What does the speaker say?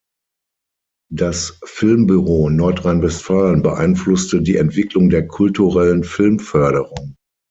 Das Filmbüro Nordrhein-Westfalen beeinflusste die Entwicklung der kulturellen Filmförderung.